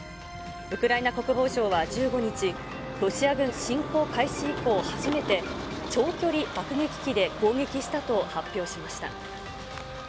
ウクライナ国防省は１５日、ロシア軍が侵攻開始以降初めて、長距離爆撃機で攻撃したと発表しました。